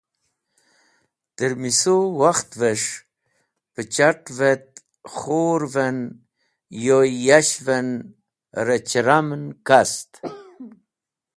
Trẽmisũ wakht’ves̃h pẽ chat̃’v et khur’v en yoy yash’v en rẽ chiramn kast.